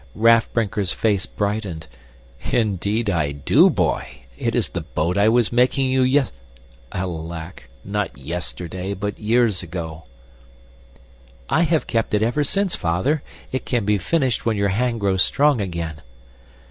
Raff Brinker's face brightened. "Indeed I do, boy! It is the boat I was making you yest alack, not yesterday, but years ago." "I have kept it ever since, Father. It can be finished when your hand grows strong again."